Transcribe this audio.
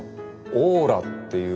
オーラっていうか。